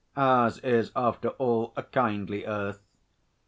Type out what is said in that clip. Ours is, after all, a kindly earth.